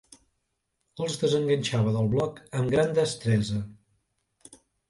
Els desenganxava del bloc amb gran destresa